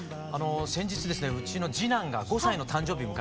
先日ですねうちの次男が５歳の誕生日を迎えまして。